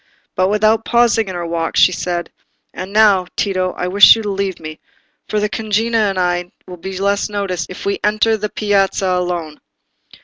But without pausing in her walk, she said— "And now, Tito, I wish you to leave me, for the cugina and I shall be less noticed if we enter the piazza alone."